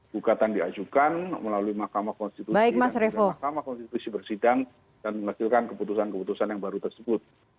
gugatan diajukan melalui makamah konstitusi bersidang dan menghasilkan keputusan keputusan yang baru tersebut